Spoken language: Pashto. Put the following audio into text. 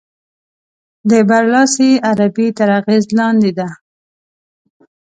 د برلاسې عربي تر اغېز لاندې ده.